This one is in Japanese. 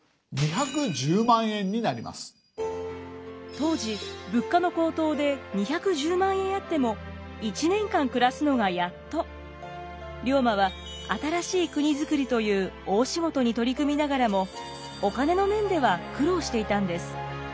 当時物価の高騰で２１０万円あっても龍馬は新しい国づくりという大仕事に取り組みながらもお金の面では苦労していたんです。